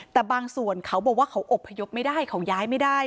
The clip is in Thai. แต่บางส่วนเขาบอกว่าเขาอบพยพไม่ได้เขาย้ายไม่ได้